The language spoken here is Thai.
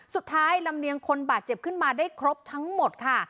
ลำเลียงคนบาดเจ็บขึ้นมาได้ครบทั้งหมดค่ะ